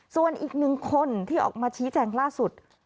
ส่วนอีกหนึ่งคนที่ออกมาชี้แจงล่าสุด